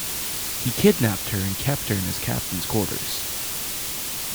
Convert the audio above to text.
He kidnapped her and kept her in his captain's quarters.